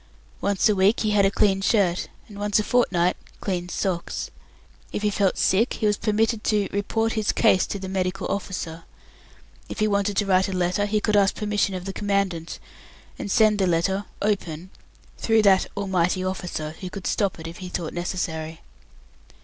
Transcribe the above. Once a week he had a clean shirt, and once a fortnight clean socks. If he felt sick, he was permitted to "report his case to the medical officer". If he wanted to write a letter he could ask permission of the Commandant, and send the letter, open, through that Almighty Officer, who could stop it if he thought necessary.